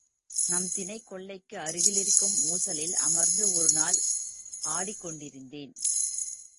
நம் தினைக்கொல்லைக்கு அருகிலிருக்கும் ஊசலில் அமர்ந்து ஒருநாள் ஆடிக்கொண்டிருந்தேன்.